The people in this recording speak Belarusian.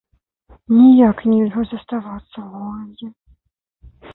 Ніяк нельга заставацца ў горадзе.